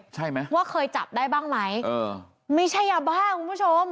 ใช่ไหมว่าเคยจับได้บ้างไหมเออไม่ใช่ยาบ้าคุณผู้ชม